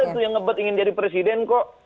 saya tuh yang ngebet ingin jadi presiden kok